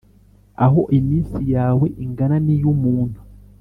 aho iminsi yawe ingana n’iy’umuntu,